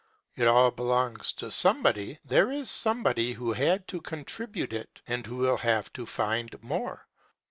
It all belongs to somebody. There is somebody who had to contribute it, and who will have to find more.